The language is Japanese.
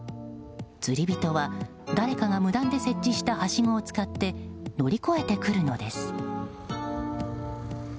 釣り人は誰かが無断で設置したはしごを使って乗り越えてくるのです。